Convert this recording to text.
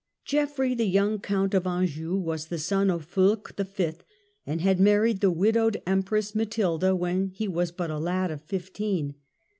Geoffrey, the young Count of Anjou, was the son of Fulk v., and had married the widowed Empress Matilda when he was but a lad of fifteen.